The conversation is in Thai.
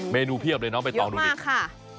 เมนูเพียบเลยน้องใบตองดูดิเยอะมากค่ะ